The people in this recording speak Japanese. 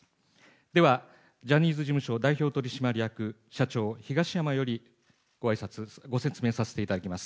では、ジャニーズ事務所代表取締役社長、東山よりご説明させていただきます。